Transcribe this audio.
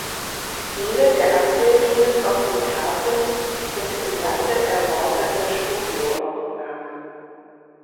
Viele der Abbildungen auf den Tafeln sind im Lande erworbene Studioaufnahmen.